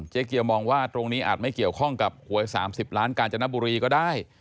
เกียวมองว่าตรงนี้อาจไม่เกี่ยวข้องกับหวย๓๐ล้านกาญจนบุรีก็ได้